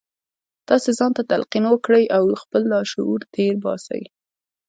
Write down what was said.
تاسې ځان ته تلقین وکړئ او خپل لاشعور تېر باسئ